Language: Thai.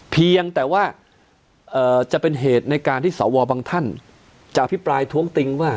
เพียงแต่ว่าจะเป็นเหตุในการที่สวบางท่านจะอภิปรายท้วงติงว่า